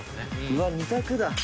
うわ２択だ。